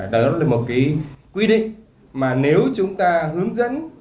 đó là một cái quy định mà nếu chúng ta hướng dẫn